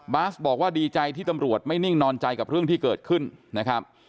บาสบอกว่าดีใจที่ตำรวจไม่นิ่งนอนใจกับเรื่องที่เกิดขึ้นนะครับ